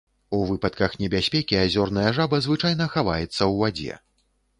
У выпадках небяспекі азёрная жаба звычайна хаваецца ў вадзе.